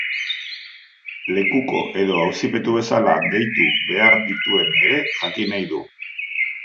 Lekuko edo auzipetu bezala deitu behar dituen ere jakin nahi du.